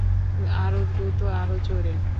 আরও দ্রুত, আরও জোরে।